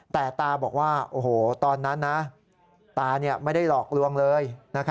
แต่ตาบอกว่าตอนนั้นตาไม่ได้เหลอกลวงเลย